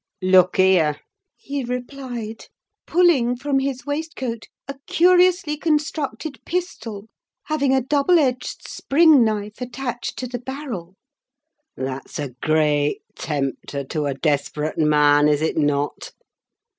"Look here!" he replied, pulling from his waistcoat a curiously constructed pistol, having a double edged spring knife attached to the barrel. "That's a great tempter to a desperate man, is it not?